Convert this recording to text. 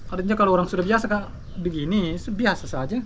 artinya kalau orang sudah biasa begini biasa saja